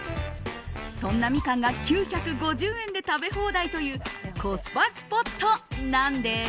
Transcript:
そんなミカンが９５０円で食べ放題というコスパスポットなんです。